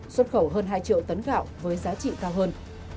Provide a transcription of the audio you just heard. xuất khẩu hơn hai triệu tấn gạo với giá trị cao hơn